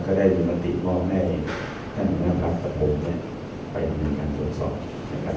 เราไม่คือประเด็นให้ความสำคัญจะต้องทำอย่างที่ตรงใสนะครับ